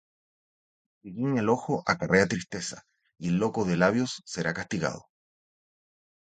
El que guiña del ojo acarrea tristeza; Y el loco de labios será castigado.